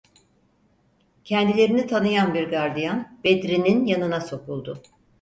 Kendilerini tanıyan bir gardiyan Bedri’nin yanına sokuldu: